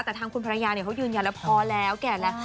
แต่ทางคุณภรรยาเขายืนยันแล้วพอแล้วแก่แล้ว